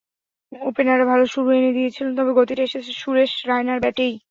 ওপেনাররা ভালো শুরু এনে দিয়েছিল, তবে গতিটা এসেছে সুরেশ রায়নার ব্যাটেই।